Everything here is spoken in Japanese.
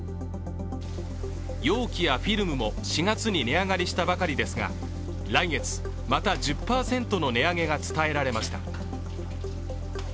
容器やフィルムも４月に値上がりしたばかりですが、来月、また１０％の値上げが伝えられました。